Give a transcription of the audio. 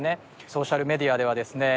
ソーシャルメディアではですね